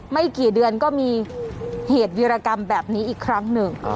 ไม่กี่เดือนก็มีเหตุวิรกรรมแบบนี้อีกครั้งหนึ่ง